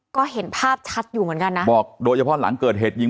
ก็เห็นภาพชัดอยู่เหมือนกันนะบอกโดยเฉพาะหลังเกิดเหตุยิง